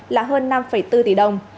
là hơn năm bốn tỷ đồng